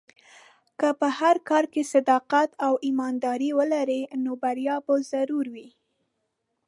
که په هر کار کې صداقت او ایمانداري ولرې، نو بریا به ضرور وي.